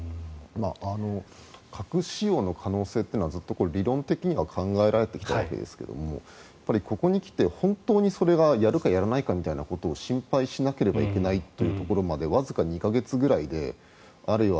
核使用の可能性というのはずっと理論的には考えられてきたわけですがここにきて、本当にそれがやるかやらないかみたいなことを心配しなければいけないというところまでわずか２か月くらいであれよ